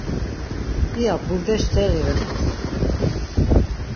İya burdeş teği ren asti.